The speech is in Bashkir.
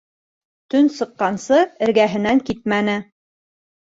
Төн сыҡҡансы эргәһенән китмәне.